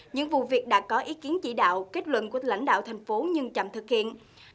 những vụ việc đã có ý kiến chỉ đạo kết luận của lãnh đạo thành phố nhưng chậm thực hiện